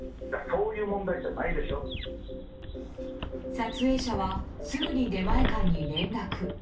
撮影者はすぐに出前館に連絡。